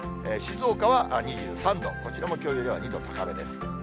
静岡は２３度、こちらもきょうよりは２度高めです。